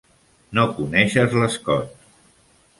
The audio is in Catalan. No coneixes l'Scott.